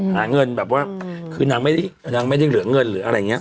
หาเงินแบบว่าคือนางไม่ได้เหลือเงินหรืออะไรอย่างเงี้ย